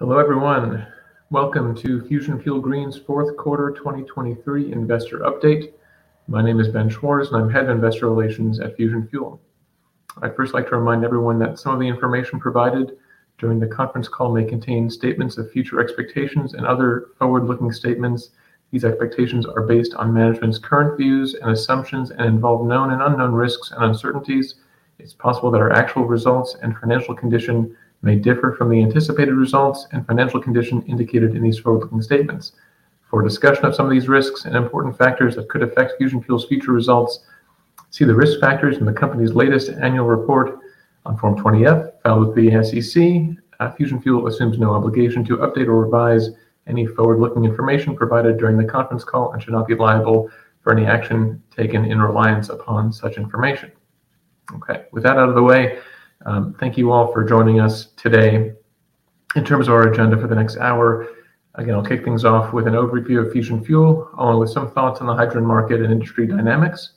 Hello everyone. Welcome to Fusion Fuel Green's Fourth Quarter 2023 Investor Update. My name is Ben Schwarz and I'm head of investor relations at Fusion Fuel. I'd first like to remind everyone that some of the information provided during the conference call may contain statements of future expectations and other forward-looking statements. These expectations are based on management's current views and assumptions and involve known and unknown risks and uncertainties. It's possible that our actual results and financial condition may differ from the anticipated results and financial condition indicated in these forward-looking statements. For discussion of some of these risks and important factors that could affect Fusion Fuel's future results, see the risk factors in the company's latest annual report on Form 20-F filed with the SEC. Fusion Fuel assumes no obligation to update or revise any forward-looking information provided during the conference call and should not be liable for any action taken in reliance upon such information. Okay. With that out of the way, thank you all for joining us today. In terms of our agenda for the next hour, again I'll kick things off with an overview of Fusion Fuel along with some thoughts on the hydrogen market and industry dynamics.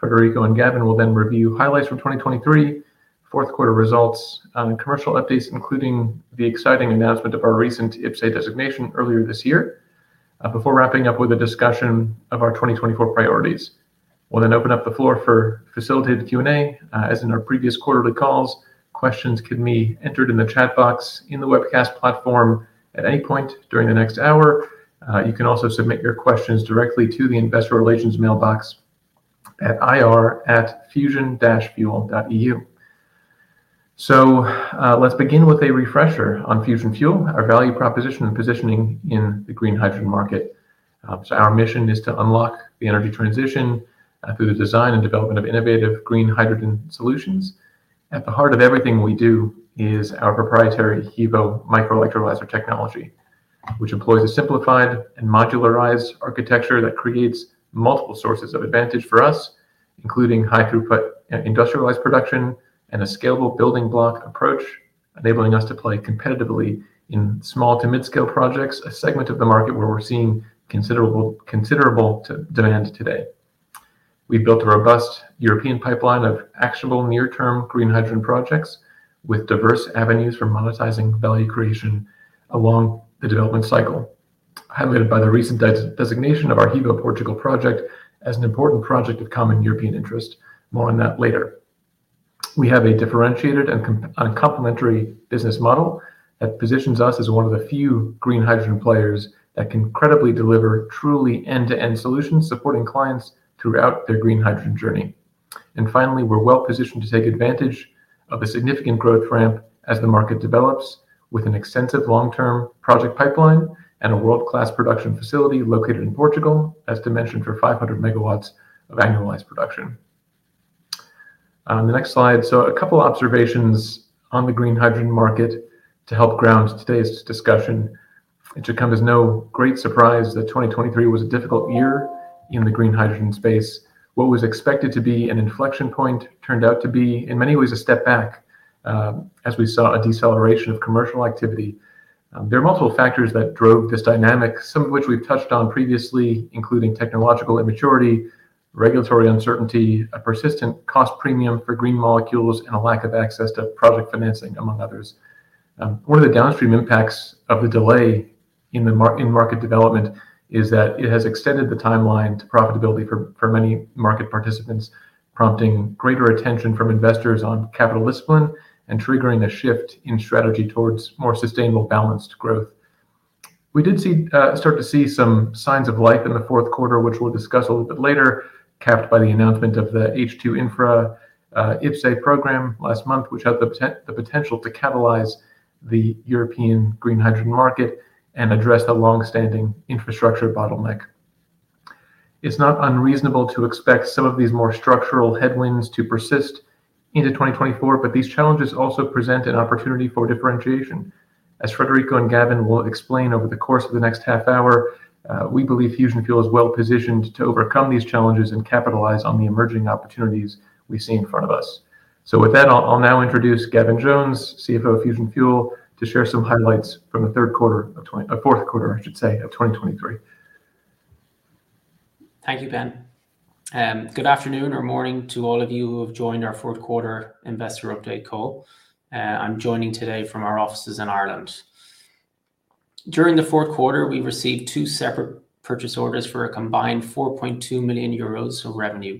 Frederico and Gavin will then review highlights from 2023 fourth quarter results and commercial updates including the exciting announcement of our recent IPCEI designation earlier this year. Before wrapping up with a discussion of our 2024 priorities, we'll then open up the floor for facilitated Q&A. As in our previous quarterly calls, questions can be entered in the chat box in the webcast platform at any point during the next hour. You can also submit your questions directly to the investor relations mailbox at ir@fusion-fuel.eu. Let's begin with a refresher on Fusion Fuel. Our value proposition and positioning in the green hydrogen market. Our mission is to unlock the energy transition through the design and development of innovative green hydrogen solutions. At the heart of everything we do is our proprietary HEVO microelectrolyzer technology which employs a simplified and modularized architecture that creates multiple sources of advantage for us including high throughput industrialized production and a scalable building block approach enabling us to play competitively in small to mid-scale projects a segment of the market where we're seeing considerable demand today. We've built a robust European pipeline of actionable near-term green hydrogen projects with diverse avenues for monetizing value creation along the development cycle highlighted by the recent designation of our HEVO-Portugal project as an Important Project of Common European Interest. More on that later. We have a differentiated and complementary business model that positions us as one of the few green hydrogen players that can credibly deliver truly end-to-end solutions supporting clients throughout their green hydrogen journey. And finally we're well positioned to take advantage of a significant growth ramp as the market develops with an extensive long-term project pipeline and a world-class production facility located in Portugal as dimensioned for 500 MW of annualized production. The next slide. A couple observations on the green hydrogen market to help ground today's discussion. It should come as no great surprise that 2023 was a difficult year in the green hydrogen space. What was expected to be an inflection point turned out to be in many ways a step back as we saw a deceleration of commercial activity. There are multiple factors that drove this dynamic, some of which we've touched on previously including technological immaturity, regulatory uncertainty, a persistent cost premium for green molecules, and a lack of access to project financing among others. One of the downstream impacts of the delay in market development is that it has extended the timeline to profitability for many market participants, prompting greater attention from investors on capital discipline and triggering a shift in strategy towards more sustainable balanced growth. We did start to see some signs of life in the fourth quarter, which we'll discuss a little bit later, capped by the announcement of the IPCEI Hy2Infra program last month, which had the potential to catalyze the European green hydrogen market and address the long-standing infrastructure bottleneck. It's not unreasonable to expect some of these more structural headwinds to persist into 2024, but these challenges also present an opportunity for differentiation. As Frederico and Gavin will explain over the course of the next half hour, we believe Fusion Fuel is well positioned to overcome these challenges and capitalize on the emerging opportunities we see in front of us. So with that, I'll now introduce Gavin Jones, CFO of Fusion Fuel, to share some highlights from the third quarter of fourth quarter I should say of 2023. Thank you Ben. Good afternoon or morning to all of you who have joined our fourth quarter investor update call. I'm joining today from our offices in Ireland. During the fourth quarter we received two separate purchase orders for a combined 4.2 million euros of revenue.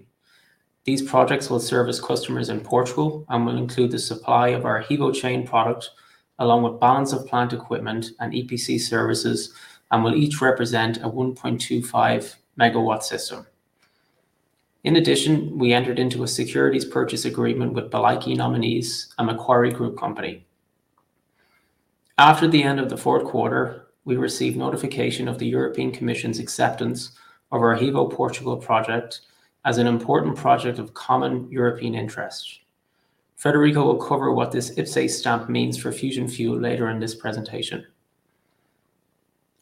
These projects will service customers in Portugal and will include the supply of our HEVO-Chain product along with balance of plant equipment and EPC services and will each represent a 1.25 MW system. In addition we entered into a securities purchase agreement with Buntel Nominees, a Macquarie Group company. After the end of the fourth quarter we received notification of the European Commission's acceptance of our HEVO-Portugal project as an Important Project of Common European Interest. Frederico will cover what this IPCEI stamp means for Fusion Fuel later in this presentation.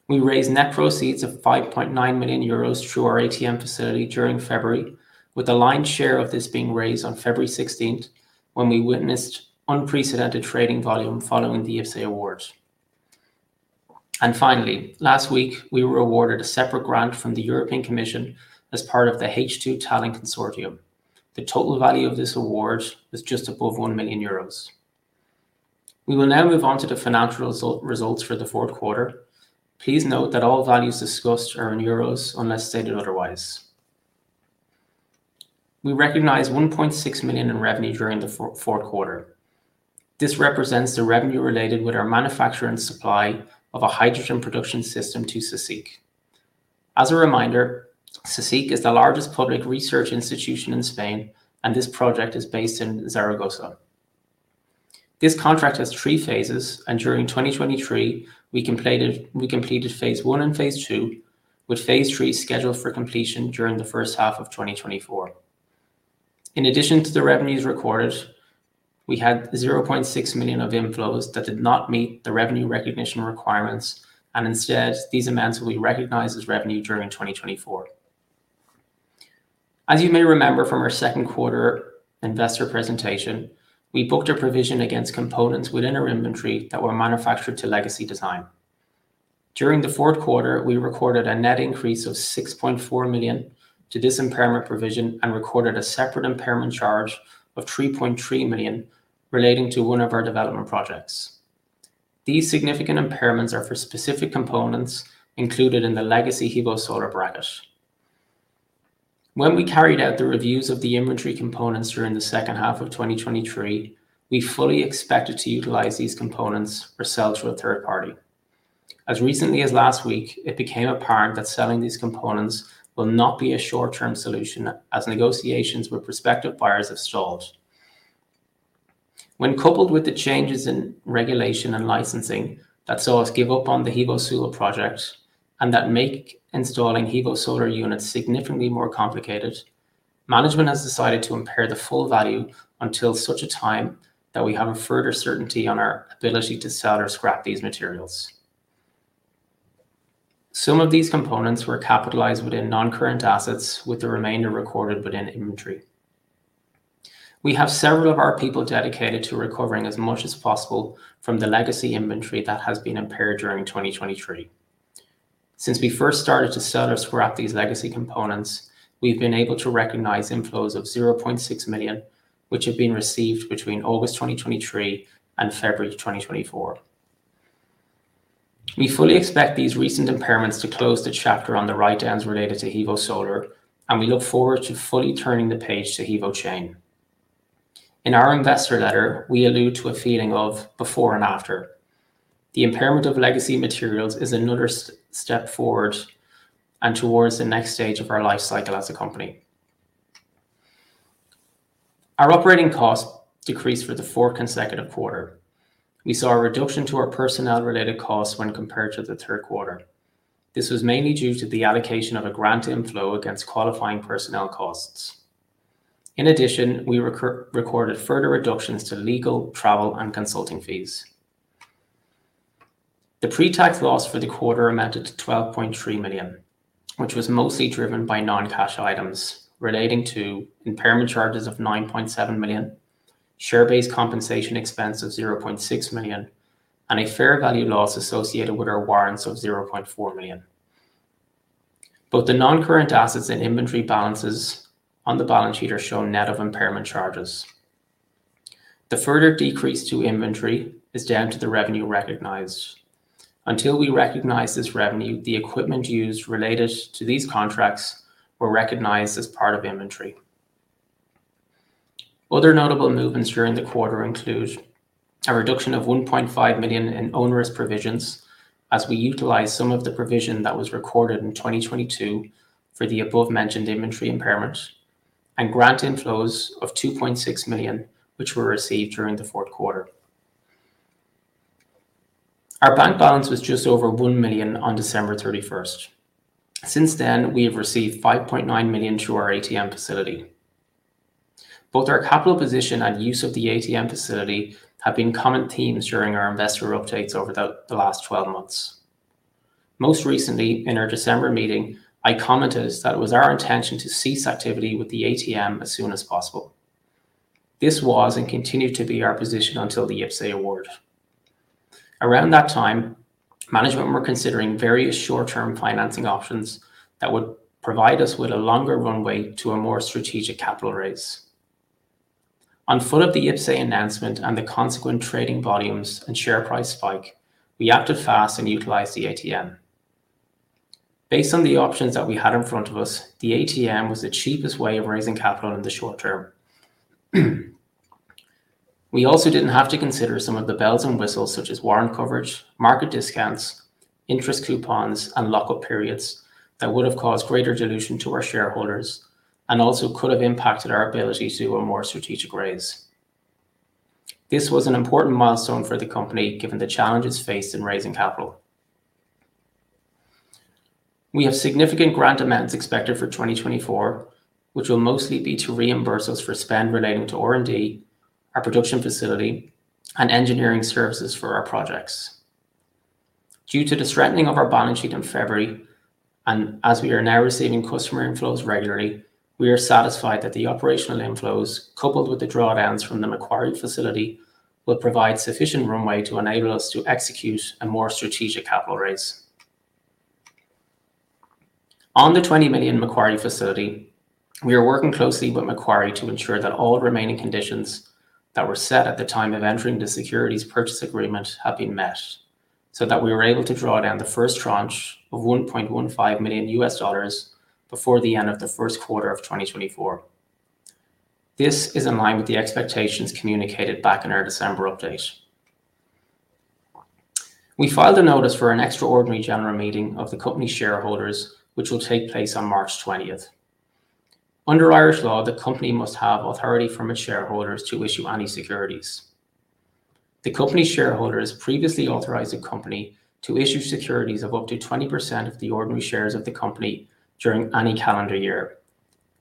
We raised net proceeds of 5.9 million euros through our ATM facility during February with the lion's share of this being raised on February 16th when we witnessed unprecedented trading volume following the IPCEI awards. Finally last week we were awarded a separate grant from the European Commission as part of the H2TALENT Consortium. The total value of this award was just above 1 million euros. We will now move on to the financial results for the fourth quarter. Please note that all values discussed are in euros unless stated otherwise. We recognize 1.6 million in revenue during the fourth quarter. This represents the revenue related with our manufacturing supply of a hydrogen production system to CSIC. As a reminder, CSIC is the largest public research institution in Spain and this project is based in Zaragoza. This contract has three phases and during 2023 we completed phase I and phase II with phase III scheduled for completion during the first half of 2024. In addition to the revenues recorded, we had 0.6 million of inflows that did not meet the revenue recognition requirements and instead these amounts will be recognized as revenue during 2024. As you may remember from our second quarter investor presentation, we booked a provision against components within our inventory that were manufactured to legacy design. During the fourth quarter we recorded a net increase of 6.4 million to this impairment provision and recorded a separate impairment charge of 3.3 million relating to one of our development projects. These significant impairments are for specific components included in the legacy HEVO-Solar bracket. When we carried out the reviews of the inventory components during the second half of 2023, we fully expected to utilize these components or sell to a third party. As recently as last week it became apparent that selling these components will not be a short-term solution as negotiations with prospective buyers have stalled. When coupled with the changes in regulation and licensing that saw us give up on the HEVO-Solar project and that make installing HEVO-Solar units significantly more complicated, management has decided to impair the full value until such a time that we have a further certainty on our ability to sell or scrap these materials. Some of these components were capitalized within non-current assets with the remainder recorded within inventory. We have several of our people dedicated to recovering as much as possible from the legacy inventory that has been impaired during 2023. Since we first started to sell or scrap these legacy components, we've been able to recognize inflows of 0.6 million which have been received between August 2023 and February 2024. We fully expect these recent impairments to close the chapter on the write-downs related to HEVO-Solar and we look forward to fully turning the page to HEVO-Chain. In our investor letter we allude to a feeling of before and after. The impairment of legacy materials is another step forward and towards the next stage of our life cycle as a company. Our operating costs decreased for the fourth consecutive quarter. We saw a reduction to our personnel-related costs when compared to the third quarter. This was mainly due to the allocation of a grant inflow against qualifying personnel costs. In addition, we recorded further reductions to legal, travel, and consulting fees. The pre-tax loss for the quarter amounted to 12.3 million, which was mostly driven by non-cash items relating to impairment charges of 9.7 million, share-based compensation expense of 0.6 million, and a fair value loss associated with our warrants of 0.4 million. Both the non-current assets and inventory balances on the balance sheet are shown net of impairment charges. The further decrease to inventory is down to the revenue recognized. Until we recognize this revenue, the equipment used related to these contracts were recognized as part of inventory. Other notable movements during the quarter include a reduction of 1.5 million in onerous provisions as we utilize some of the provision that was recorded in 2022 for the above-mentioned inventory impairment, and grant inflows of 2.6 million, which were received during the fourth quarter. Our bank balance was just over 1 million on December 31st. Since then we have received 5.9 million through our ATM facility. Both our capital position and use of the ATM facility have been common themes during our investor updates over the last 12 months. Most recently in our December meeting, I commented that it was our intention to cease activity with the ATM as soon as possible. This was and continued to be our position until the IPCEI award. Around that time management were considering various short-term financing options that would provide us with a longer runway to a more strategic capital raise. On foot of the IPCEI announcement and the consequent trading volumes and share price spike, we acted fast and utilized the ATM. Based on the options that we had in front of us, the ATM was the cheapest way of raising capital in the short term. We also didn't have to consider some of the bells and whistles such as warrant coverage, market discounts, interest coupons, and lockup periods that would have caused greater dilution to our shareholders and also could have impacted our ability to do a more strategic raise. This was an important milestone for the company given the challenges faced in raising capital. We have significant grant amounts expected for 2024 which will mostly be to reimburse us for spend relating to R&D, our production facility, and engineering services for our projects. Due to the strengthening of our balance sheet in February and as we are now receiving customer inflows regularly, we are satisfied that the operational inflows coupled with the drawdowns from the Macquarie facility will provide sufficient runway to enable us to execute a more strategic capital raise. On the 20 million Macquarie facility, we are working closely with Macquarie to ensure that all remaining conditions that were set at the time of entering the securities purchase agreement have been met so that we were able to draw down the first tranche of EUR 1.15 million before the end of the first quarter of 2024. This is in line with the expectations communicated back in our December update. We filed a notice for an extraordinary general meeting of the company shareholders which will take place on March 20th. Under Irish law, the company must have authority from its shareholders to issue any securities. The company's shareholders previously authorized the company to issue securities of up to 20% of the ordinary shares of the company during any calendar year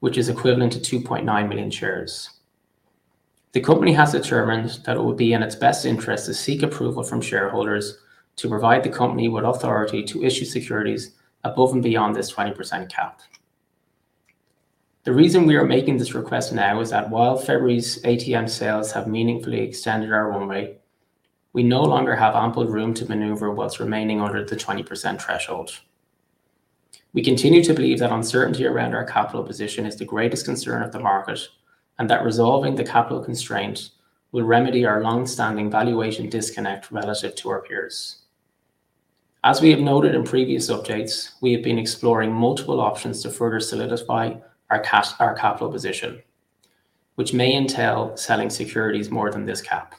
which is equivalent to 2.9 million shares. The company has determined that it would be in its best interest to seek approval from shareholders to provide the company with authority to issue securities above and beyond this 20% cap. The reason we are making this request now is that while February's ATM sales have meaningfully extended our runway, we no longer have ample room to maneuver what's remaining under the 20% threshold. We continue to believe that uncertainty around our capital position is the greatest concern of the market and that resolving the capital constraint will remedy our long-standing valuation disconnect relative to our peers. As we have noted in previous updates, we have been exploring multiple options to further solidify our capital position which may entail selling securities more than this cap.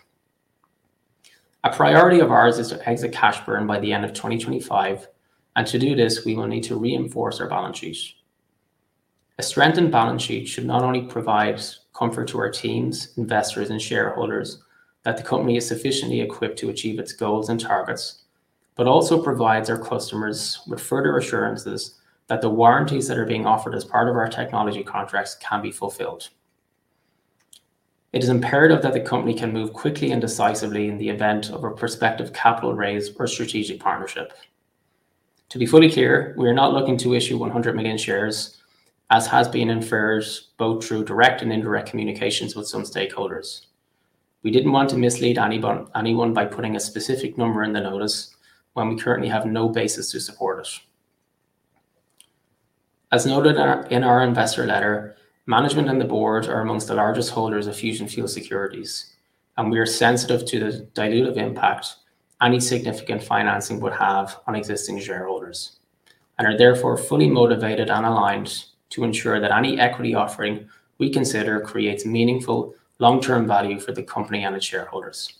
A priority of ours is to exit cash burn by the end of 2025 and to do this we will need to reinforce our balance sheet. A strengthened balance sheet should not only provide comfort to our teams, investors, and shareholders that the company is sufficiently equipped to achieve its goals and targets but also provides our customers with further assurances that the warranties that are being offered as part of our technology contracts can be fulfilled. It is imperative that the company can move quickly and decisively in the event of a prospective capital raise or strategic partnership. To be fully clear, we are not looking to issue 100 million shares as has been inferred both through direct and indirect communications with some stakeholders. We didn't want to mislead anyone by putting a specific number in the notice when we currently have no basis to support it. As noted in our investor letter, management and the board are among the largest holders of Fusion Fuel securities and we are sensitive to the dilutive impact any significant financing would have on existing shareholders and are therefore fully motivated and aligned to ensure that any equity offering we consider creates meaningful long-term value for the company and its shareholders.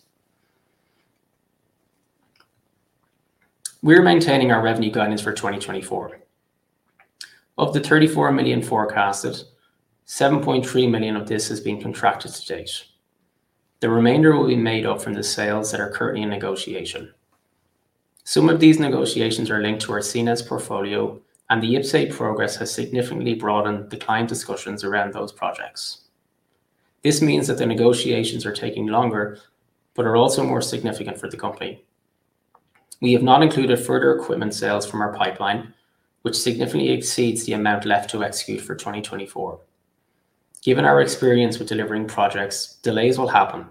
We are maintaining our revenue guidance for 2024. Of the 34 million forecasted, 7.3 million of this has been contracted to date. The remainder will be made up from the sales that are currently in negotiation. Some of these negotiations are linked to our Sines portfolio and the IPCEI progress has significantly broadened the client discussions around those projects. This means that the negotiations are taking longer but are also more significant for the company. We have not included further equipment sales from our pipeline which significantly exceeds the amount left to execute for 2024. Given our experience with delivering projects, delays will happen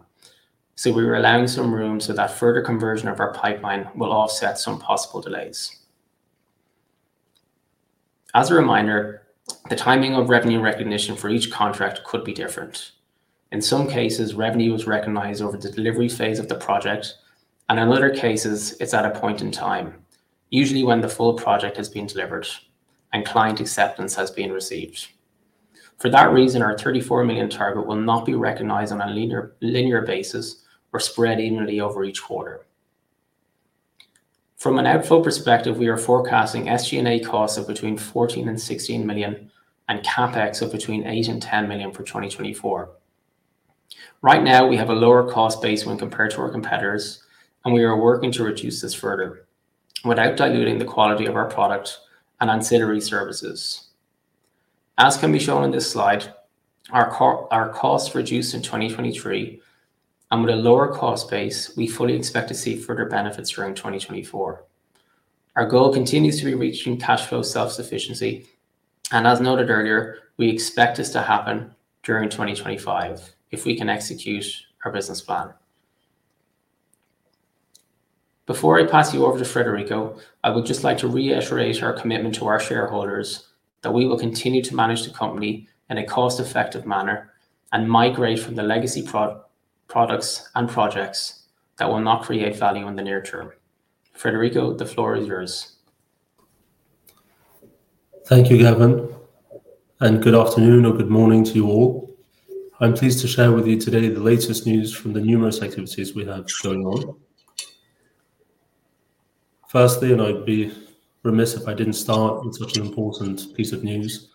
so we are allowing some room so that further conversion of our pipeline will offset some possible delays. As a reminder, the timing of revenue recognition for each contract could be different. In some cases, revenue is recognized over the delivery phase of the project and in other cases it's at a point in time, usually when the full project has been delivered and client acceptance has been received. For that reason, our 34 million target will not be recognized on a linear basis or spread evenly over each quarter. From an outflow perspective, we are forecasting SG&A costs of between 14 million and 16 million and CapEx of between 8 million and 10 million for 2024. Right now we have a lower cost base when compared to our competitors and we are working to reduce this further without diluting the quality of our product and ancillary services. As can be shown in this slide, our costs reduced in 2023 and with a lower cost base we fully expect to see further benefits during 2024. Our goal continues to be reaching cash flow self-sufficiency and as noted earlier, we expect this to happen during 2025 if we can execute our business plan. Before I pass you over to Frederico, I would just like to reiterate our commitment to our shareholders that we will continue to manage the company in a cost-effective manner and migrate from the legacy products and projects that will not create value in the near term. Frederico, the floor is yours. Thank you, Gavin, and good afternoon or good morning to you all. I'm pleased to share with you today the latest news from the numerous activities we have going on. Firstly, and I'd be remiss if I didn't start with such an important piece of news,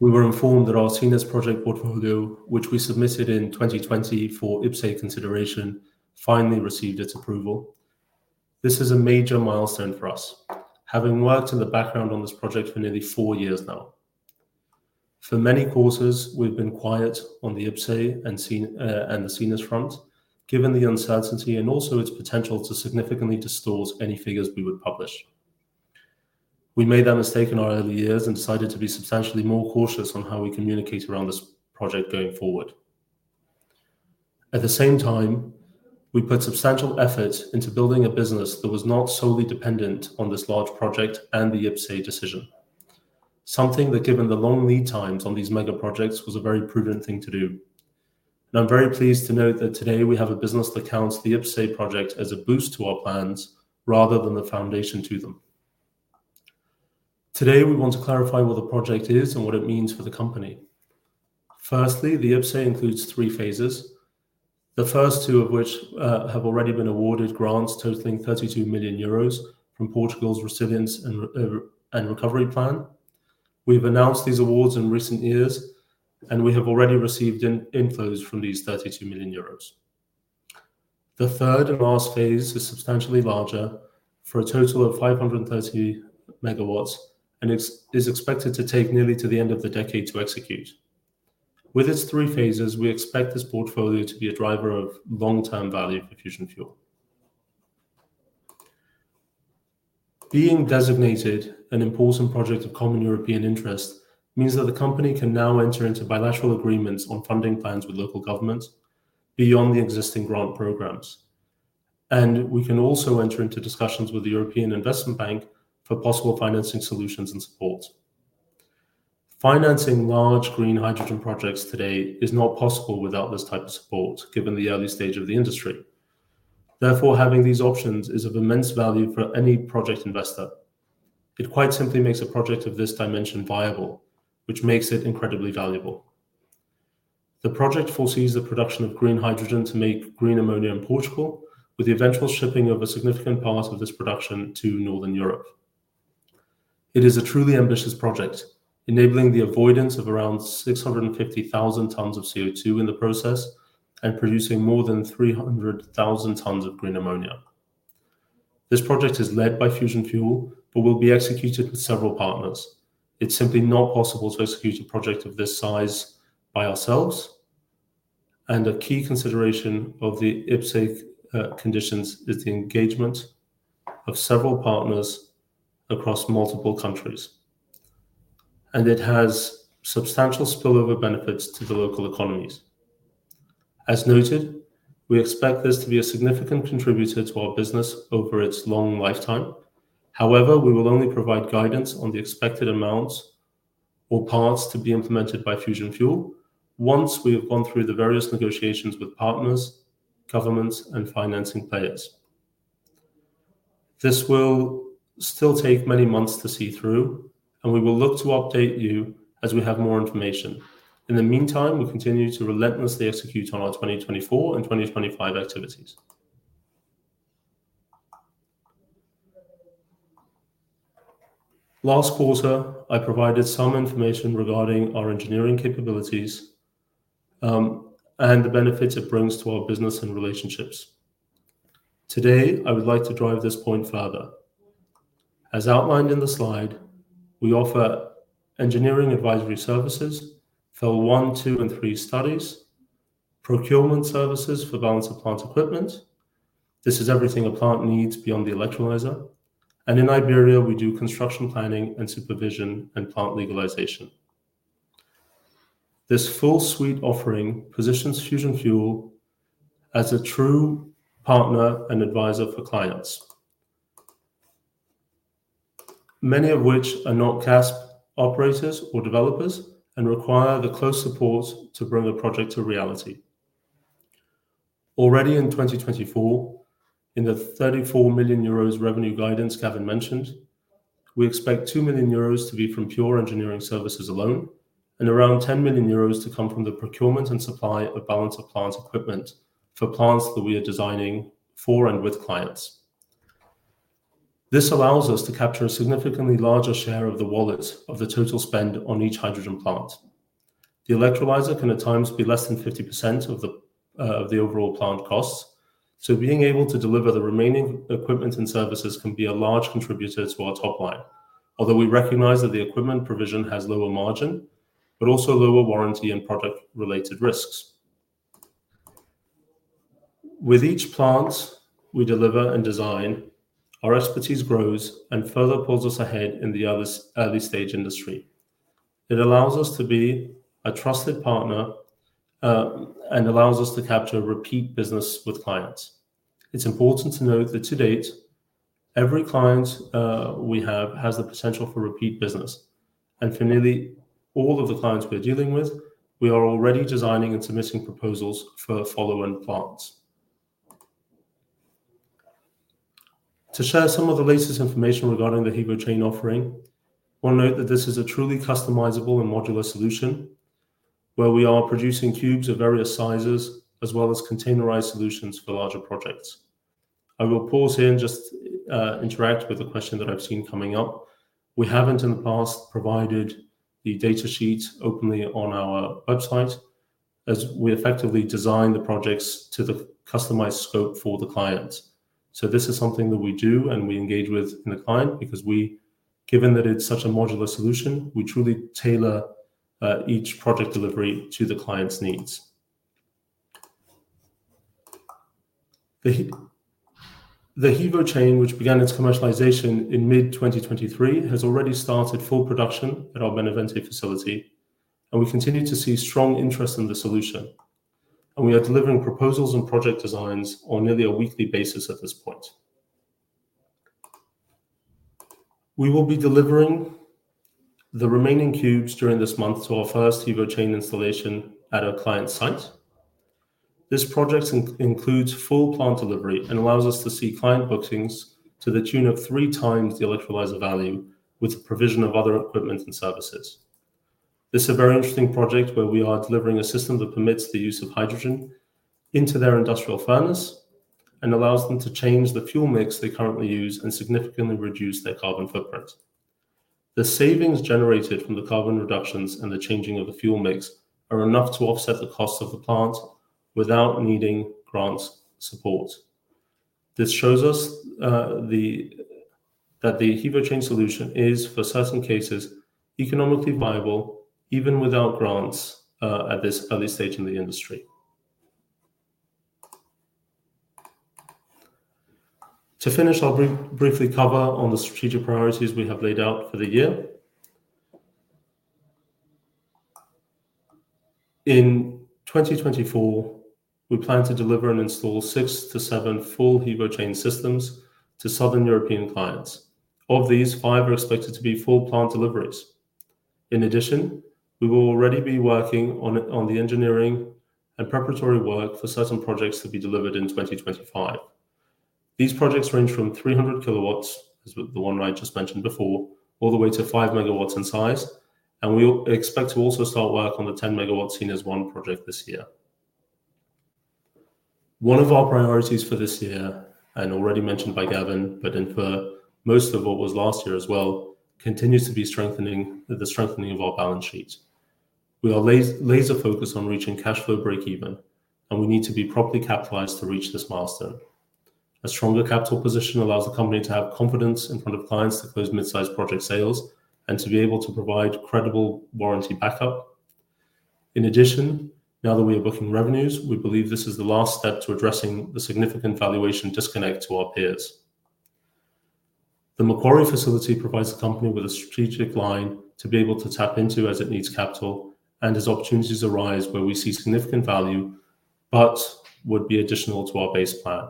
we were informed that our Sines project portfolio which we submitted in 2020 for IPCEI consideration finally received its approval. This is a major milestone for us having worked in the background on this project for nearly four years now. For many quarters, we've been quiet on the IPCEI and the Sines front given the uncertainty and also its potential to significantly distort any figures we would publish. We made that mistake in our early years and decided to be substantially more cautious on how we communicate around this project going forward. At the same time, we put substantial effort into building a business that was not solely dependent on this large project and the IPCEI decision, something that given the long lead times on these mega projects was a very prudent thing to do. I'm very pleased to note that today we have a business that counts the IPCEI project as a boost to our plans rather than the foundation to them. Today we want to clarify what the project is and what it means for the company. Firstly, the IPCEI includes three phases, the first two of which have already been awarded grants totaling 32 million euros from Portugal's Recovery and Resilience Plan. We've announced these awards in recent years and we have already received inflows from these 32 million euros. The third and last phase is substantially larger for a total of 530 MW and is expected to take nearly to the end of the decade to execute. With its three phases, we expect this portfolio to be a driver of long-term value for Fusion Fuel. Being designated an Important Project of Common European Interest means that the company can now enter into bilateral agreements on funding plans with local governments beyond the existing grant programs and we can also enter into discussions with the European Investment Bank for possible financing solutions and support. Financing large green hydrogen projects today is not possible without this type of support given the early stage of the industry. Therefore, having these options is of immense value for any project investor. It quite simply makes a project of this dimension viable which makes it incredibly valuable. The project foresees the production of green hydrogen to make green ammonia in Portugal with the eventual shipping of a significant part of this production to northern Europe. It is a truly ambitious project enabling the avoidance of around 650,000 tons of CO2 in the process and producing more than 300,000 tons of green ammonia. This project is led by Fusion Fuel but will be executed with several partners. It's simply not possible to execute a project of this size by ourselves and a key consideration of the IPCEI conditions is the engagement of several partners across multiple countries and it has substantial spillover benefits to the local economies. As noted, we expect this to be a significant contributor to our business over its long lifetime. However, we will only provide guidance on the expected amounts or parts to be implemented by Fusion Fuel once we have gone through the various negotiations with partners, governments, and financing players. This will still take many months to see through and we will look to update you as we have more information. In the meantime, we continue to relentlessly execute on our 2024 and 2025 activities. Last quarter, I provided some information regarding our engineering capabilities and the benefits it brings to our business and relationships. Today, I would like to drive this point further. As outlined in the slide, we offer engineering advisory services for one, two, and three studies, procurement services for Balance of Plant equipment - this is everything a plant needs beyond the electrolyzer - and in Iberia, we do construction planning and supervision and plant legalization. This full suite offering positions Fusion Fuel as a true partner and advisor for clients, many of which are not EPC operators or developers and require the close support to bring a project to reality. Already in 2024, in the 34 million euros revenue guidance Gavin mentioned, we expect 2 million euros to be from pure engineering services alone and around 10 million euros to come from the procurement and supply of balance of plant equipment for plants that we are designing for and with clients. This allows us to capture a significantly larger share of the wallet of the total spend on each hydrogen plant. The electrolyzer can at times be less than 50% of the overall plant costs, so being able to deliver the remaining equipment and services can be a large contributor to our top line, although we recognize that the equipment provision has lower margin but also lower warranty and product-related risks. With each plant we deliver and design, our expertise grows and further pulls us ahead in the early stage industry. It allows us to be a trusted partner and allows us to capture repeat business with clients. It's important to note that to date, every client we have has the potential for repeat business and for nearly all of the clients we are dealing with, we are already designing and submitting proposals for follow-on plants. To share some of the latest information regarding the HEVO-Chain offering, we'll note that this is a truly customizable and modular solution where we are producing cubes of various sizes as well as containerized solutions for larger projects. I will pause here and just interact with a question that I've seen coming up. We haven't in the past provided the datasheets openly on our website as we effectively design the projects to the customized scope for the client. So this is something that we do and we engage with the client because we, given that it's such a modular solution, we truly tailor each project delivery to the client's needs. The HEVO-Chain, which began its commercialization in mid-2023, has already started full production at our Benavente facility and we continue to see strong interest in the solution and we are delivering proposals and project designs on nearly a weekly basis at this point. We will be delivering the remaining cubes during this month to our first HEVO-Chain installation at our client's site. This project includes full plant delivery and allows us to see client bookings to the tune of three times the electrolyzer value with the provision of other equipment and services. This is a very interesting project where we are delivering a system that permits the use of hydrogen into their industrial furnace and allows them to change the fuel mix they currently use and significantly reduce their carbon footprint. The savings generated from the carbon reductions and the changing of the fuel mix are enough to offset the costs of the plant without needing grants support. This shows us that the HEVO-Chain solution is, for certain cases, economically viable even without grants at this early stage in the industry. To finish, I'll briefly cover on the strategic priorities we have laid out for the year. In 2024, we plan to deliver and install six to seven full HEVO-Chain systems to southern European clients. Of these, five are expected to be full plant deliveries. In addition, we will already be working on the engineering and preparatory work for certain projects to be delivered in 2025. These projects range from 300 kW, as the one I just mentioned before, all the way to 5 MW in size, and we expect to also start work on the 10 MW Sines 1 project this year. One of our priorities for this year, and already mentioned by Gavin but in fact most of what was last year as well, continues to be the strengthening of our balance sheet. We are laser-focused on reaching cash flow break-even and we need to be properly capitalized to reach this milestone. A stronger capital position allows the company to have confidence in front of clients to close mid-sized project sales and to be able to provide credible warranty backup. In addition, now that we are booking revenues, we believe this is the last step to addressing the significant valuation disconnect to our peers. The Macquarie facility provides the company with a strategic line to be able to tap into as it needs capital and as opportunities arise where we see significant value but would be additional to our base plan.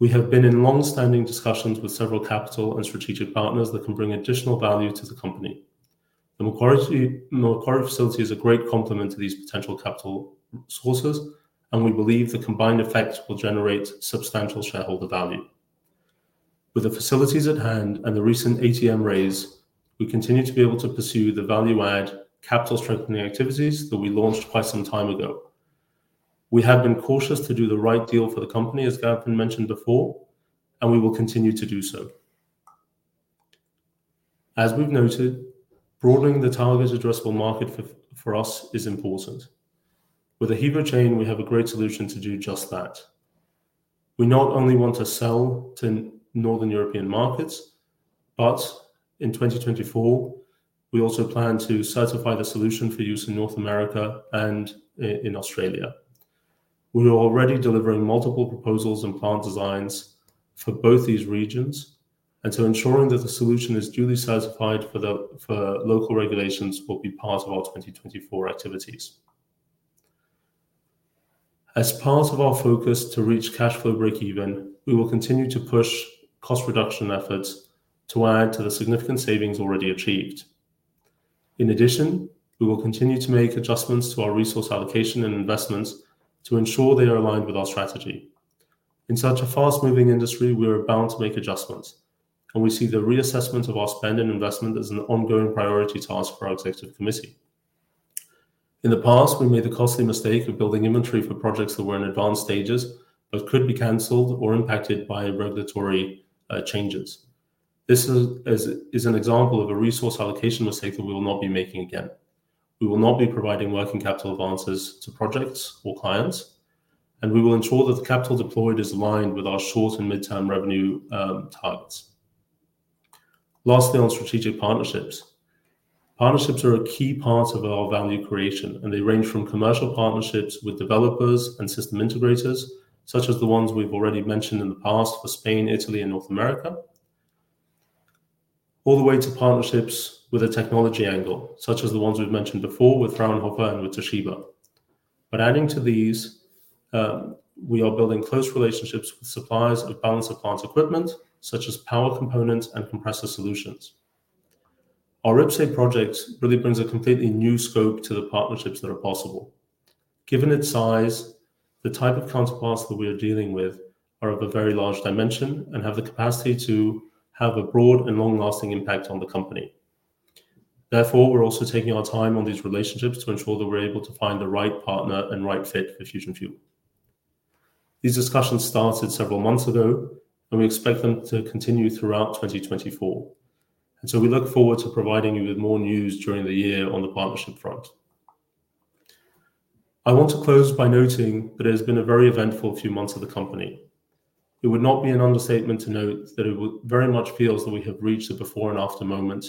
We have been in longstanding discussions with several capital and strategic partners that can bring additional value to the company. The Macquarie facility is a great complement to these potential capital sources and we believe the combined effect will generate substantial shareholder value. With the facilities at hand and the recent ATM raise, we continue to be able to pursue the value-add capital-strengthening activities that we launched quite some time ago. We have been cautious to do the right deal for the company, as Gavin mentioned before, and we will continue to do so. As we've noted, broadening the target addressable market for us is important. With a HEVO-Chain, we have a great solution to do just that. We not only want to sell to northern European markets but, in 2024, we also plan to certify the solution for use in North America and in Australia. We are already delivering multiple proposals and plant designs for both these regions and so ensuring that the solution is duly certified for local regulations will be part of our 2024 activities. As part of our focus to reach cash flow break-even, we will continue to push cost reduction efforts to add to the significant savings already achieved. In addition, we will continue to make adjustments to our resource allocation and investments to ensure they are aligned with our strategy. In such a fast-moving industry, we are bound to make adjustments and we see the reassessment of our spend and investment as an ongoing priority task for our executive committee. In the past, we made the costly mistake of building inventory for projects that were in advanced stages but could be cancelled or impacted by regulatory changes. This is an example of a resource allocation mistake that we will not be making again. We will not be providing working capital advances to projects or clients and we will ensure that the capital deployed is aligned with our short and mid-term revenue targets. Lastly, on strategic partnerships. Partnerships are a key part of our value creation and they range from commercial partnerships with developers and system integrators such as the ones we've already mentioned in the past for Spain, Italy, and North America, all the way to partnerships with a technology angle such as the ones we've mentioned before with Fraunhofer and with Toshiba. But adding to these, we are building close relationships with suppliers of Balance of Plant equipment such as power components and compressor solutions. Our IPCEI project really brings a completely new scope to the partnerships that are possible. Given its size, the type of counterparts that we are dealing with are of a very large dimension and have the capacity to have a broad and long-lasting impact on the company. Therefore, we're also taking our time on these relationships to ensure that we're able to find the right partner and right fit for Fusion Fuel. These discussions started several months ago and we expect them to continue throughout 2024 and so we look forward to providing you with more news during the year on the partnership front. I want to close by noting that it has been a very eventful few months at the company. It would not be an understatement to note that it very much feels that we have reached a before and after moment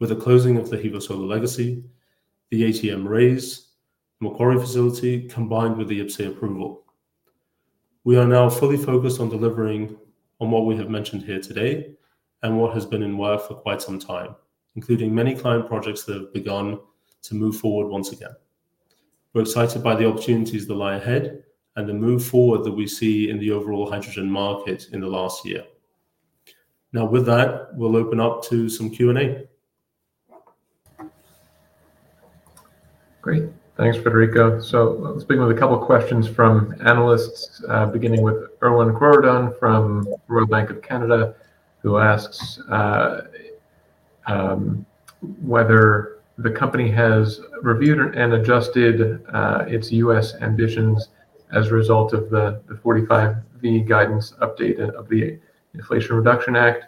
with the closing of the HEVO-Solar legacy, the ATM raise, the Macquarie facility combined with the IPCEI approval. We are now fully focused on delivering on what we have mentioned here today and what has been in work for quite some time, including many client projects that have begun to move forward once again. We're excited by the opportunities that lie ahead and the move forward that we see in the overall hydrogen market in the last year. Now, with that, we'll open up to some Q&A. Great. Thanks, Frederico. Speaking with a couple of questions from analysts, beginning with Erwan Kerouredan from Royal Bank of Canada, who asks whether the company has reviewed and adjusted its U.S. ambitions as a result of the 45V guidance update of the Inflation Reduction Act.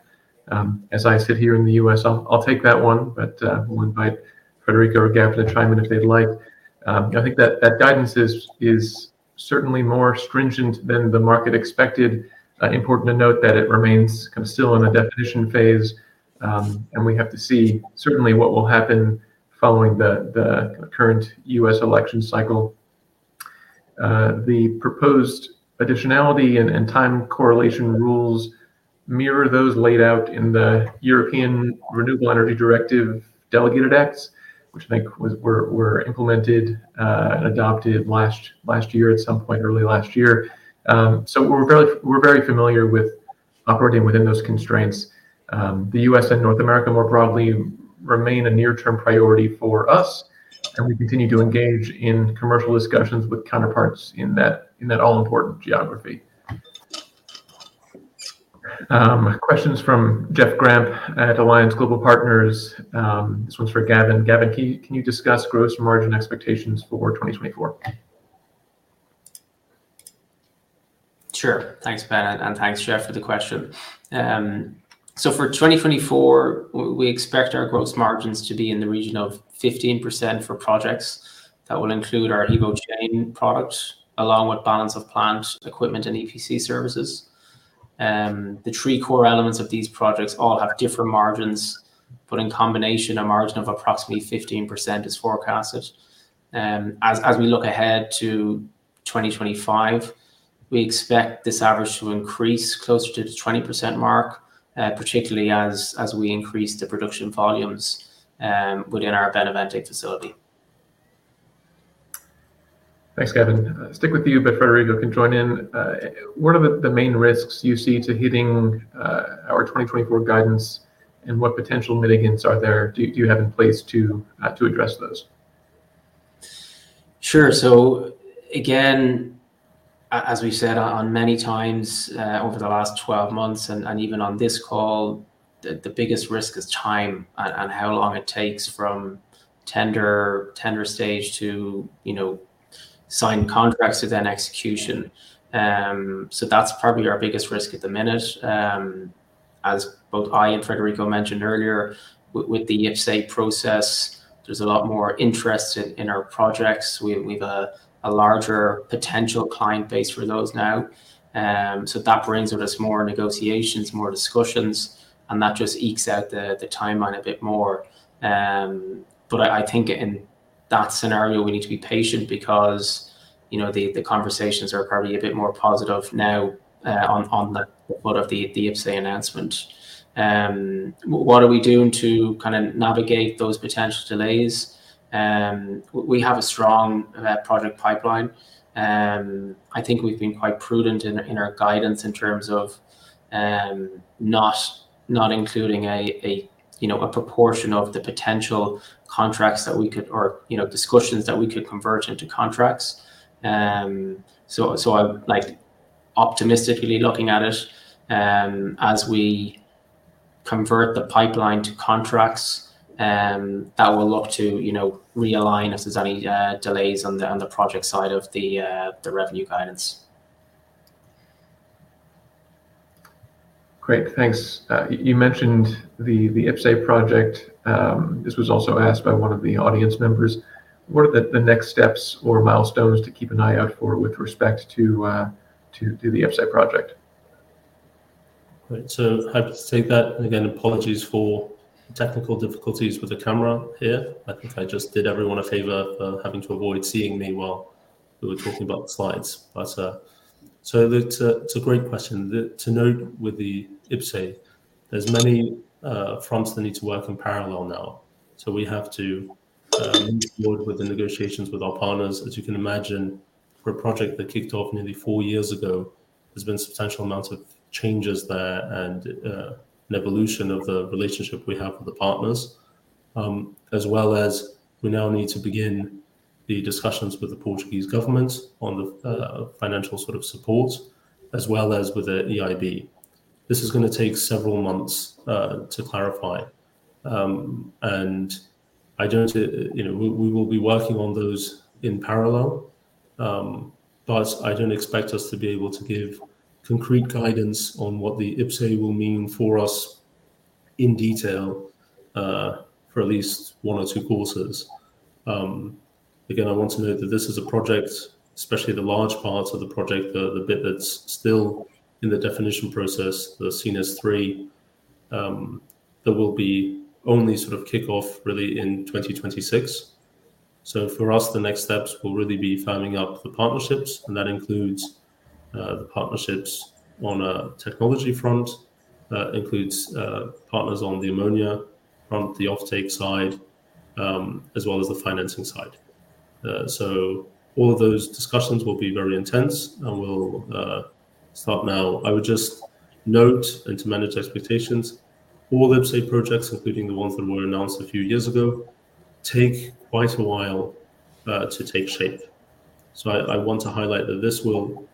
As I sit here in the U.S., I'll take that one but we'll invite Frederico or Gavin to chime in if they'd like. I think that guidance is certainly more stringent than the market expected. Important to note that it remains kind of still in a definition phase and we have to see certainly what will happen following the current U.S. election cycle. The proposed additionality and time correlation rules mirror those laid out in the European Renewable Energy Directive delegated acts, which I think were implemented and adopted last year at some point, early last year. We're very familiar with operating within those constraints. The U.S. and North America more broadly remain a near-term priority for us and we continue to engage in commercial discussions with counterparts in that all-important geography. Questions from Jeff Gramp at Alliance Global Partners. This one's for Gavin. Gavin, can you discuss gross margin expectations for 2024? Sure. Thanks, Ben, and thanks, Jeff, for the question. So for 2024, we expect our gross margins to be in the region of 15% for projects that will include our HEVO-Chain products along with Balance of Plant equipment and EPC services. The three core elements of these projects all have different margins, but in combination, a margin of approximately 15% is forecasted. As we look ahead to 2025, we expect this average to increase closer to the 20% mark, particularly as we increase the production volumes within our Benavente facility. Thanks, Gavin. Stick with you, but Frederico can join in. What are the main risks you see to hitting our 2024 guidance and what potential mitigants are there do you have in place to address those? Sure. So again, as we've said many times over the last 12 months and even on this call, the biggest risk is time and how long it takes from tender stage to sign contracts to then execution. So that's probably our biggest risk at the minute. As both I and Frederico mentioned earlier, with the IPCEI process, there's a lot more interest in our projects. We have a larger potential client base for those now. So that brings with us more negotiations, more discussions, and that just ekes out the timeline a bit more. But I think in that scenario, we need to be patient because the conversations are probably a bit more positive now on the foot of the IPCEI announcement. What are we doing to kind of navigate those potential delays? We have a strong project pipeline. I think we've been quite prudent in our guidance in terms of not including a proportion of the potential contracts that we could or discussions that we could convert into contracts. So I'm optimistically looking at it. As we convert the pipeline to contracts, that will look to realign us as any delays on the project side of the revenue guidance. Great. Thanks. You mentioned the IPCEI project. This was also asked by one of the audience members. What are the next steps or milestones to keep an eye out for with respect to the IPCEI project? Great. So happy to take that. And again, apologies for technical difficulties with the camera here. I think I just did everyone a favor for having to avoid seeing me while we were talking about the slides. So it's a great question. To note with the IPCEI, there's many fronts that need to work in parallel now. So we have to move forward with the negotiations with our partners. As you can imagine, for a project that kicked off nearly four years ago, there's been a substantial amount of changes there and an evolution of the relationship we have with the partners, as well as we now need to begin the discussions with the Portuguese government on the financial sort of support, as well as with the EIB. This is going to take several months to clarify. I don't think we will be working on those in parallel, but I don't expect us to be able to give concrete guidance on what the IPCEI will mean for us in detail for at least one or two quarters. Again, I want to note that this is a project, especially the large parts of the project, the bit that's still in the definition process, the Sines, that will be only sort of kick-off really in 2026. So for us, the next steps will really be firming up the partnerships, and that includes the partnerships on a technology front, includes partners on the ammonia front, the offtake side, as well as the financing side. So all of those discussions will be very intense and will start now. I would just note, and to manage expectations, all IPCEI projects, including the ones that were announced a few years ago, take quite a while to take shape. So I want to highlight that this will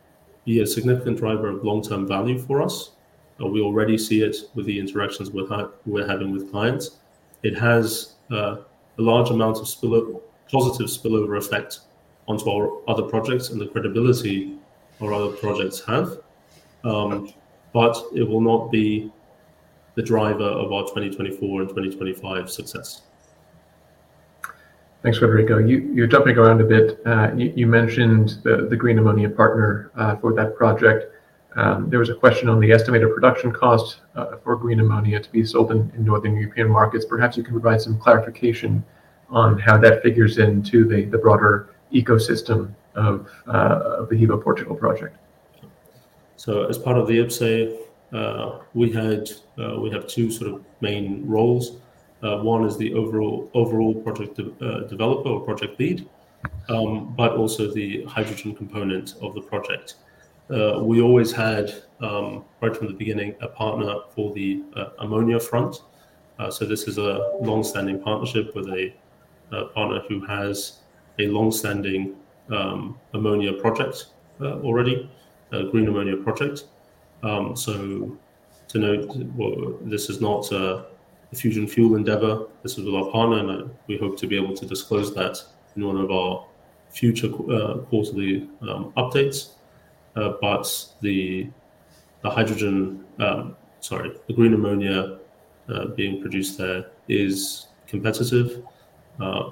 be a significant driver of long-term value for us. We already see it with the interactions we're having with clients. It has a large amount of positive spillover effect onto our other projects and the credibility our other projects have, but it will not be the driver of our 2024 and 2025 success. Thanks, Frederico. You jumped me around a bit. You mentioned the green ammonia partner for that project. There was a question on the estimated production cost for green ammonia to be sold in northern European markets. Perhaps you can provide some clarification on how that figures into the broader ecosystem of the HEVO-Portugal project. So as part of the IPCEI, we have two sort of main roles. One is the overall project developer or project lead, but also the hydrogen component of the project. We always had, right from the beginning, a partner for the ammonia front. So this is a longstanding partnership with a partner who has a longstanding ammonia project already, a green ammonia project. So to note, this is not a Fusion Fuel endeavour. This is with our partner, and we hope to be able to disclose that in one of our future quarterly updates. But the hydrogen sorry, the green ammonia being produced there is competitive,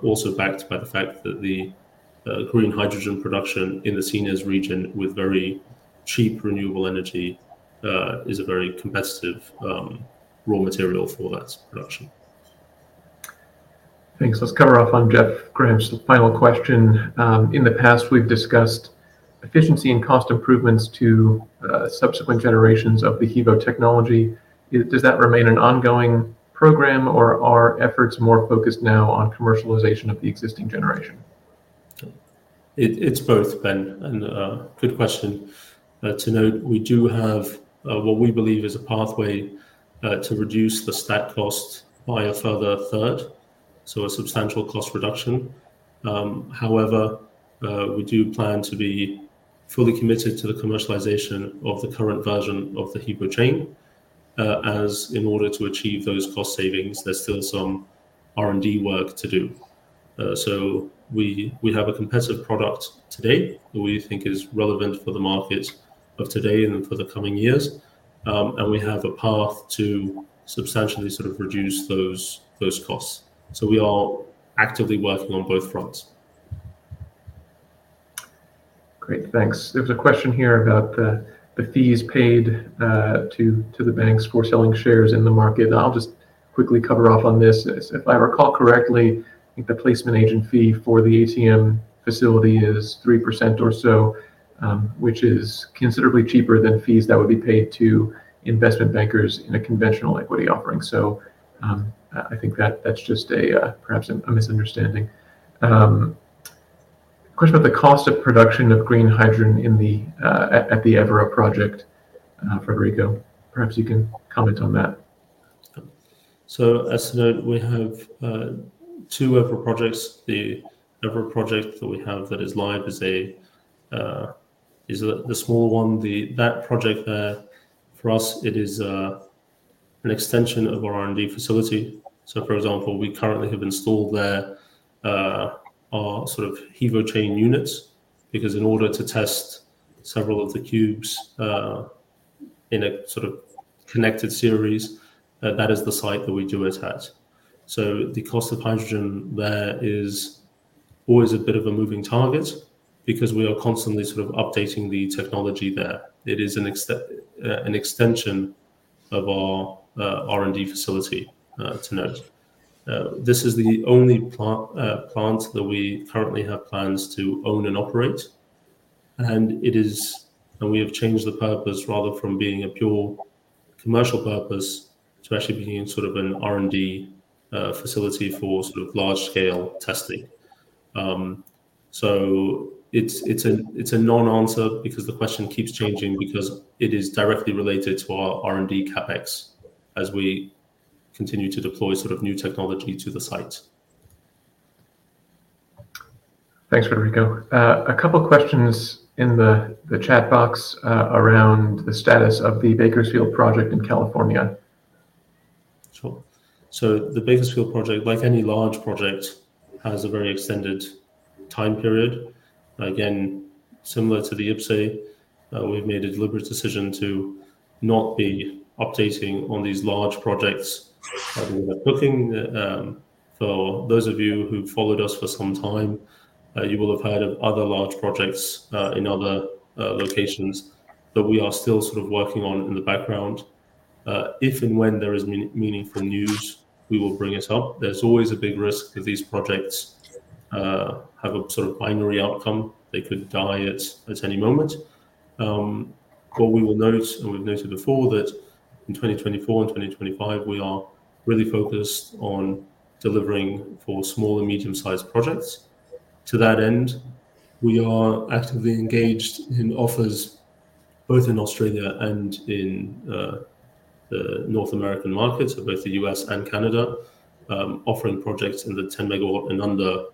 also backed by the fact that the green hydrogen production in the Sines region with very cheap renewable energy is a very competitive raw material for that production. Thanks. Let's cover off on Jeff Gramp's final question. In the past, we've discussed efficiency and cost improvements to subsequent generations of the HEVO technology. Does that remain an ongoing program, or are efforts more focused now on commercialization of the existing generation? It's both, Ben, and good question. To note, we do have what we believe is a pathway to reduce the stack cost by a further third, so a substantial cost reduction. However, we do plan to be fully committed to the commercialization of the current version of the HEVO-Chain, as in order to achieve those cost savings, there's still some R&D work to do. So we have a competitive product today that we think is relevant for the market of today and for the coming years, and we have a path to substantially sort of reduce those costs. So we are actively working on both fronts. Great. Thanks. There's a question here about the fees paid to the banks for selling shares in the market. I'll just quickly cover off on this. If I recall correctly, I think the placement agent fee for the ATM facility is 3% or so, which is considerably cheaper than fees that would be paid to investment bankers in a conventional equity offering. So I think that's just perhaps a misunderstanding. Question about the cost of production of green hydrogen at the Évora project, Frederico. Perhaps you can comment on that. So as a note, we have two Évora projects. The Évora project that we have that is live is the smaller one. That project there, for us, it is an extension of our R&D facility. So, for example, we currently have installed there our sort of HEVO-Chain units because in order to test several of the cubes in a sort of connected series, that is the site that we do it at. So the cost of hydrogen there is always a bit of a moving target because we are constantly sort of updating the technology there. It is an extension of our R&D facility, to note. This is the only plant that we currently have plans to own and operate, and we have changed the purpose rather from being a pure commercial purpose to actually being sort of an R&D facility for sort of large-scale testing. So it's a non-answer because the question keeps changing because it is directly related to our R&D CapEx as we continue to deploy sort of new technology to the site. Thanks, Frederico. A couple of questions in the chat box around the status of the Bakersfield project in California. Sure. So the Bakersfield project, like any large project, has a very extended time period. Again, similar to the IPCEI, we've made a deliberate decision to not be updating on these large projects. I think we're not looking. For those of you who've followed us for some time, you will have heard of other large projects in other locations that we are still sort of working on in the background. If and when there is meaningful news, we will bring it up. There's always a big risk that these projects have a sort of binary outcome. They could die at any moment. But we will note, and we've noted before, that in 2024 and 2025, we are really focused on delivering for small and medium-sized projects. To that end, we are actively engaged in offers both in Australia and in the North American market, so both the U.S. and Canada, offering projects in the 10 MW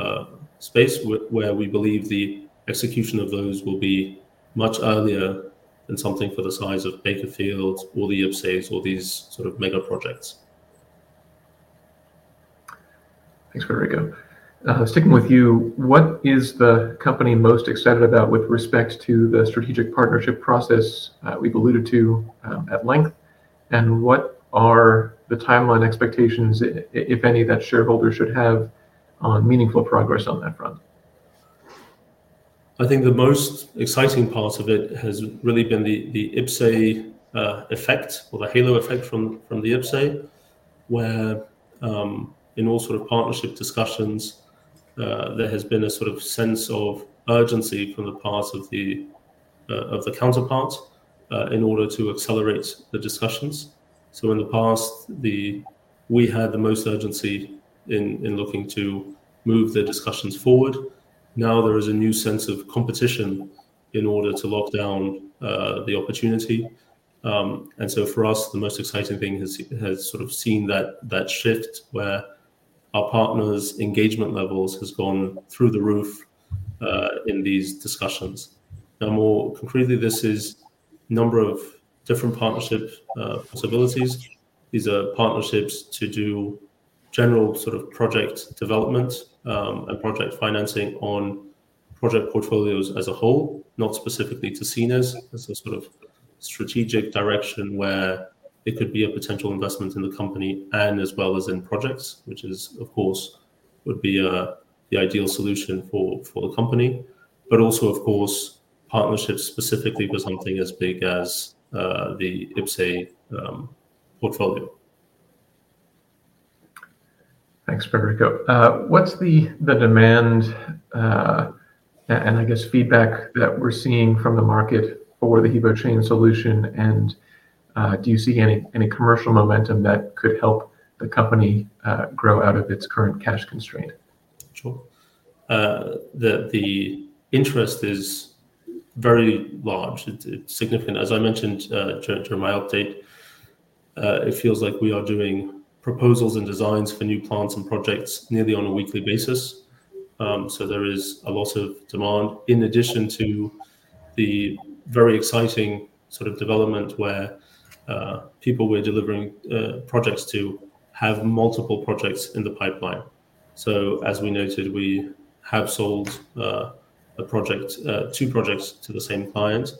and under space where we believe the execution of those will be much earlier than something for the size of Bakersfield or the IPCEIs or these sort of mega projects. Thanks, Frederico. Sticking with you, what is the company most excited about with respect to the strategic partnership process we've alluded to at length, and what are the timeline expectations, if any, that shareholders should have on meaningful progress on that front? I think the most exciting part of it has really been the IPCEI effect or the halo effect from the IPCEI, where in all sort of partnership discussions, there has been a sort of sense of urgency from the parts of the counterparts in order to accelerate the discussions. So in the past, we had the most urgency in looking to move the discussions forward. Now, there is a new sense of competition in order to lock down the opportunity. And so for us, the most exciting thing has sort of seen that shift where our partners' engagement levels have gone through the roof in these discussions. Now, more concretely, this is a number of different partnership possibilities. These are partnerships to do general sort of project development and project financing on project portfolios as a whole, not specifically to Sines, as a sort of strategic direction where it could be a potential investment in the company and as well as in projects, which, of course, would be the ideal solution for the company, but also, of course, partnerships specifically for something as big as the IPCEI portfolio. Thanks, Frederico. What's the demand and, I guess, feedback that we're seeing from the market for the HEVO-Chain solution, and do you see any commercial momentum that could help the company grow out of its current cash constraint? Sure. The interest is very large. It's significant. As I mentioned during my update, it feels like we are doing proposals and designs for new plants and projects nearly on a weekly basis. So there is a lot of demand, in addition to the very exciting sort of development where people we're delivering projects to have multiple projects in the pipeline. So as we noted, we have sold two projects to the same client,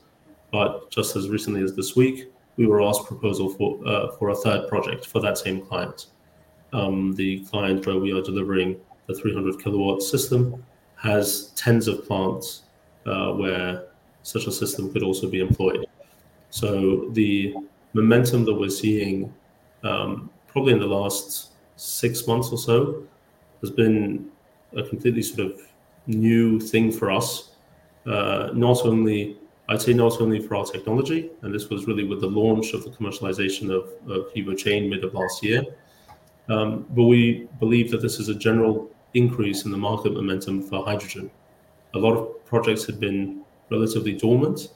but just as recently as this week, we were asked to propose for a third project for that same client. The client where we are delivering the 300 kW system has tens of plants where such a system could also be employed. So the momentum that we're seeing, probably in the last six months or so, has been a completely sort of new thing for us, not only I'd say not only for our technology, and this was really with the launch of the commercialization of HEVO-Chain mid of last year, but we believe that this is a general increase in the market momentum for hydrogen. A lot of projects had been relatively dormant,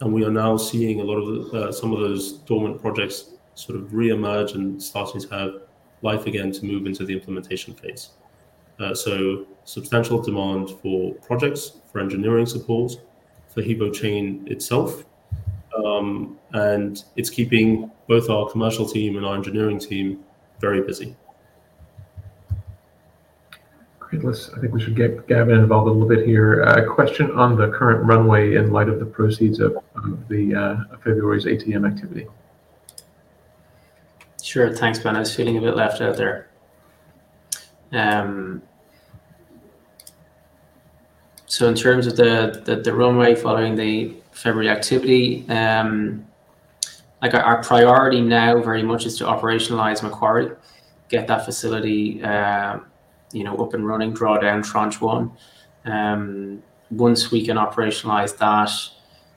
and we are now seeing a lot of some of those dormant projects sort of reemerge and starting to have life again to move into the implementation phase. So substantial demand for projects, for engineering support, for HEVO-Chain itself, and it's keeping both our commercial team and our engineering team very busy. Great. I think we should get Gavin involved a little bit here. A question on the current runway in light of the proceeds of February's ATM activity. Sure. Thanks, Ben. I was feeling a bit left out there. So in terms of the runway following the February activity, our priority now very much is to operationalize Macquarie, get that facility up and running, draw down tranche one. Once we can operationalize that,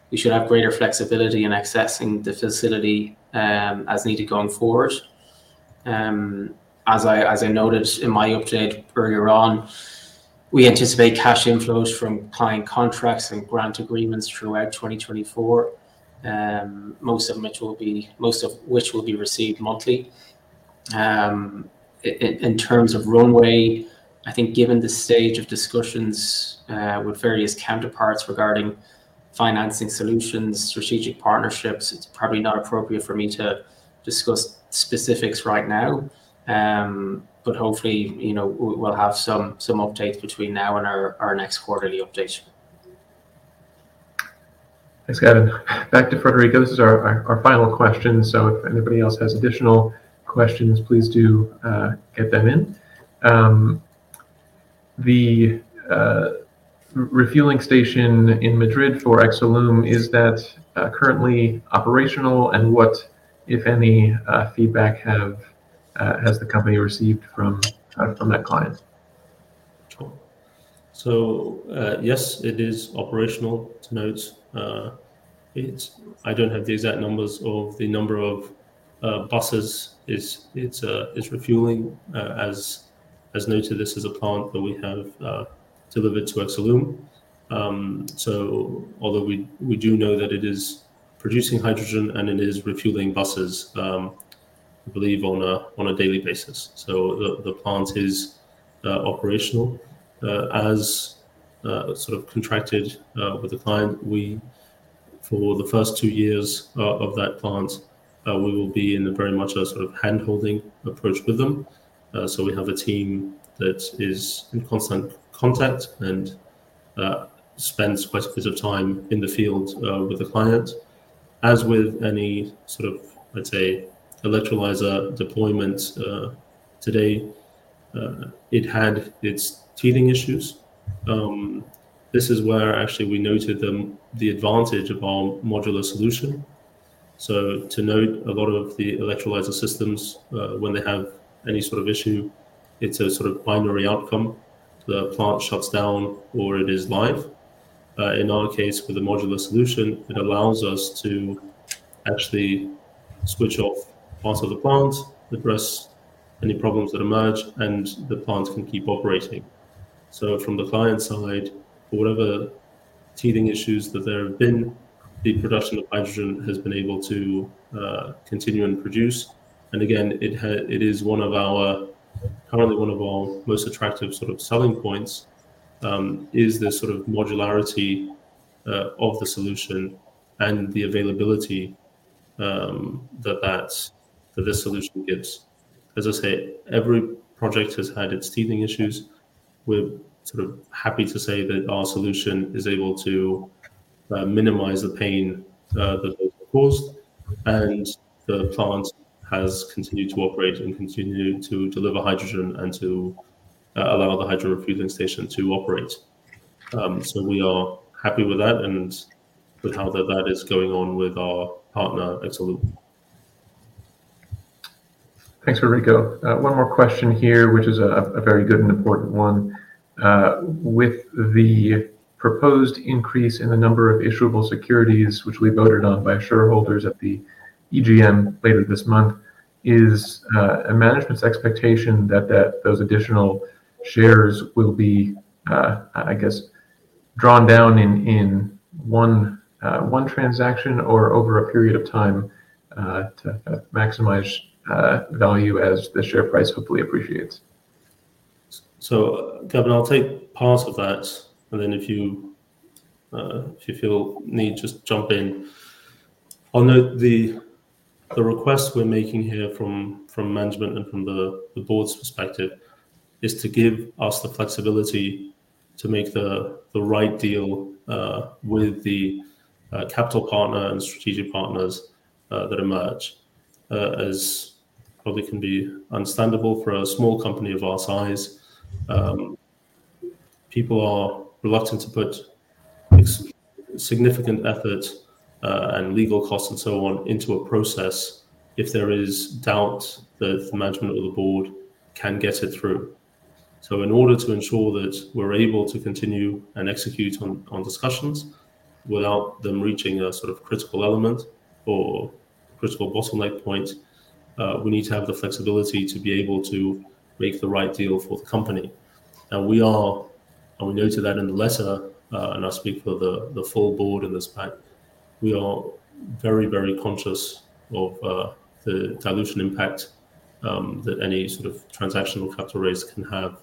we should have greater flexibility in accessing the facility as needed going forward. As I noted in my update earlier on, we anticipate cash inflows from client contracts and grant agreements throughout 2024, most of which will be received monthly. In terms of runway, I think given the stage of discussions with various counterparts regarding financing solutions, strategic partnerships, it's probably not appropriate for me to discuss specifics right now. But hopefully, we'll have some updates between now and our next quarterly update. Thanks, Gavin. Back to Frederico. This is our final question. So if anybody else has additional questions, please do get them in. The refueling station in Madrid for Exolum, is that currently operational, and what, if any, feedback has the company received from that client? Sure. So yes, it is operational, to note. I don't have the exact numbers of the number of buses it's refueling, as noted. This is a plant that we have delivered to Exolum. So although we do know that it is producing hydrogen and it is refueling buses, I believe on a daily basis. So the plant is operational. As sort of contracted with the client, for the first two years of that plant, we will be in very much a sort of hand-holding approach with them. So we have a team that is in constant contact and spends quite a bit of time in the field with the client. As with any sort of, I'd say, electrolyzer deployment today, it had its teething issues. This is where actually we noted the advantage of our modular solution. So to note, a lot of the electrolyzer systems, when they have any sort of issue, it's a sort of binary outcome. The plant shuts down or it is live. In our case, with the modular solution, it allows us to actually switch off parts of the plant, address any problems that emerge, and the plant can keep operating. So from the client side, for whatever teething issues that there have been, the production of hydrogen has been able to continue and produce. And again, it is currently one of our most attractive sort of selling points, is this sort of modularity of the solution and the availability that this solution gives. As I say, every project has had its teething issues. We're sort of happy to say that our solution is able to minimize the pain that those have caused, and the plant has continued to operate and continued to deliver hydrogen and to allow the hydrogen refueling station to operate. So we are happy with that and with how that is going on with our partner, Exolum. Thanks, Frederico. One more question here, which is a very good and important one. With the proposed increase in the number of issuable securities, which we voted on by shareholders at the EGM later this month, is a management's expectation that those additional shares will be, I guess, drawn down in one transaction or over a period of time to maximize value as the share price hopefully appreciates? So Gavin, I'll take part of that, and then if you feel the need, just jump in. I'll note the request we're making here from management and from the board's perspective is to give us the flexibility to make the right deal with the capital partner and strategic partners that emerge. As probably can be understandable, for a small company of our size, people are reluctant to put significant effort and legal costs and so on into a process if there is doubt that the management or the board can get it through. So in order to ensure that we're able to continue and execute on discussions without them reaching a sort of critical element or critical bottleneck point, we need to have the flexibility to be able to make the right deal for the company. And we are and we noted that in the letter, and I speak for the full board in this pack, we are very, very conscious of the dilution impact that any sort of transactional capital raise can have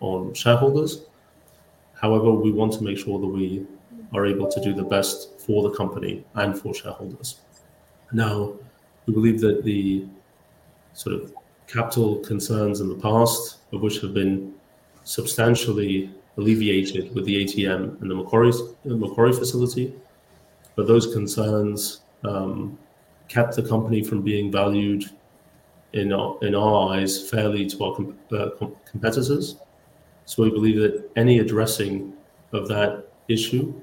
on shareholders. However, we want to make sure that we are able to do the best for the company and for shareholders. Now, we believe that the sort of capital concerns in the past, of which have been substantially alleviated with the ATM and the Macquarie facility, but those concerns kept the company from being valued in our eyes fairly to our competitors. So we believe that any addressing of that issue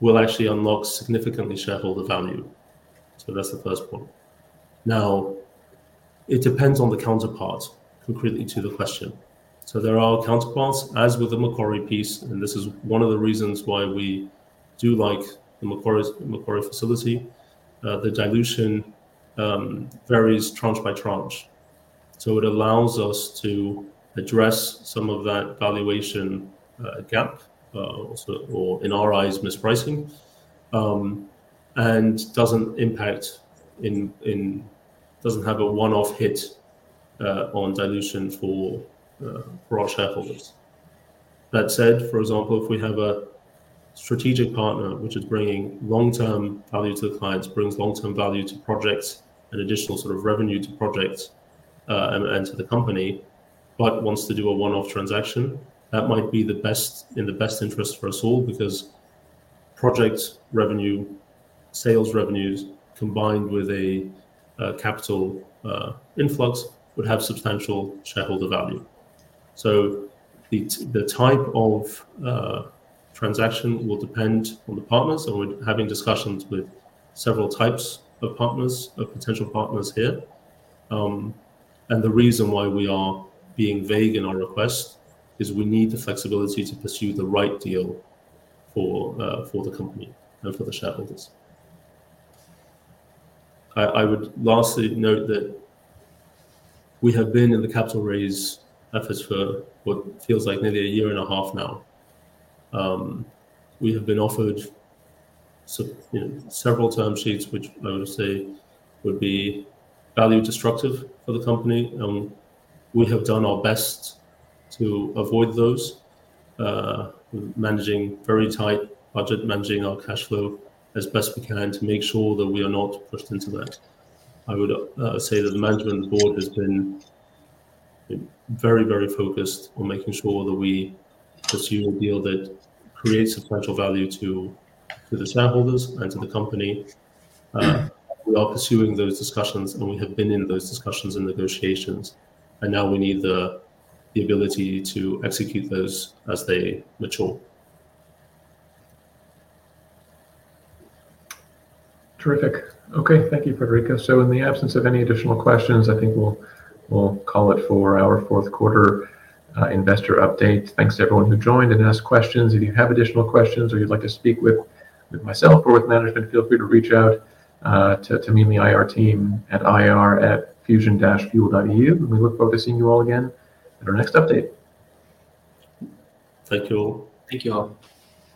will actually unlock significantly shareholder value. So that's the first point. Now, it depends on the counterparts, concretely to the question. So there are counterparts, as with the Macquarie piece, and this is one of the reasons why we do like the Macquarie facility. The dilution varies tranche by tranche. So it allows us to address some of that valuation gap or, in our eyes, mispricing, and doesn't have a one-off hit on dilution for our shareholders. That said, for example, if we have a strategic partner which is bringing long-term value to the clients, brings long-term value to projects and additional sort of revenue to projects and to the company, but wants to do a one-off transaction, that might be in the best interest for us all because project revenue, sales revenues combined with a capital influx would have substantial shareholder value. So the type of transaction will depend on the partners. And we're having discussions with several types of potential partners here. And the reason why we are being vague in our request is we need the flexibility to pursue the right deal for the company and for the shareholders. I would lastly note that we have been in the capital raise efforts for what feels like nearly a year and a half now. We have been offered several term sheets, which I would say would be value destructive for the company, and we have done our best to avoid those, managing very tight budget, managing our cash flow as best we can to make sure that we are not pushed into that. I would say that the management and the board has been very, very focused on making sure that we pursue a deal that creates substantial value to the shareholders and to the company. We are pursuing those discussions, and we have been in those discussions and negotiations, and now we need the ability to execute those as they mature. Terrific. Okay. Thank you, Frederico. So in the absence of any additional questions, I think we'll call it for our fourth quarter investor update. Thanks to everyone who joined and asked questions. If you have additional questions or you'd like to speak with myself or with management, feel free to reach out to me and the IR team at ir@fusion-fuel.eu, and we look forward to seeing you all again at our next update. Thank you all. Thank you all.